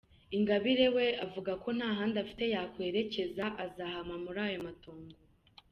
Ingabire we avuga ko nta handi afite yakwerekeza azahama mu mauri ayo matongo.